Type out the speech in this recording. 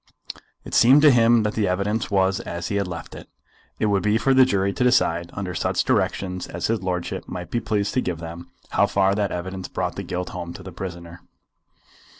It seemed to him that the evidence was as he had left it. It would be for the jury to decide, under such directions as his lordship might be pleased to give them, how far that evidence brought the guilt home to the prisoner.